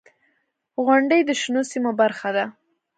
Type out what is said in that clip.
• غونډۍ د شنو سیمو برخه ده.